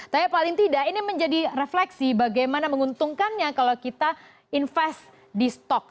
tapi paling tidak ini menjadi refleksi bagaimana menguntungkannya kalau kita invest di stok